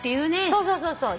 そうそうそうそう。